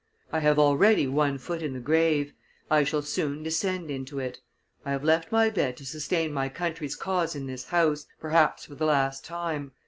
I have already one foot in the grave; I shall soon descend into it; I have left my bed to sustain my country's cause in this House, perhaps for the last time.